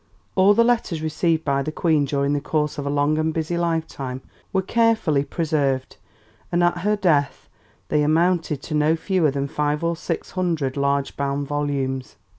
All the letters received by the Queen during the course of a long and busy life time were carefully preserved, and at her death they amounted to no fewer than five or six hundred large bound volumes.